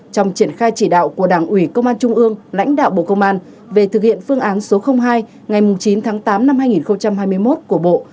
trong triển khai chỉ đạo của đảng ủy công an trung ương lãnh đạo bộ công an về thực hiện phương án số hai ngày chín tháng tám năm hai nghìn hai mươi một của bộ